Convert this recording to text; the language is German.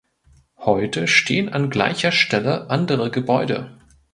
Heute stehen an gleicher Stelle andere Gebäude.